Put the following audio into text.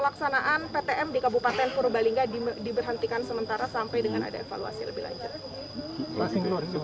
kita seluruh pelaksanaan ptm di kabupaten purbalingga diberhentikan